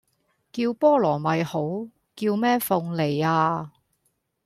叫菠蘿咪好！叫咩鳳梨呀